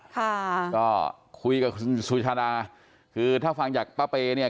ค่ะก็คุยกับคุณสุชาดาคือถ้าฟังจากป้าเปย์เนี่ย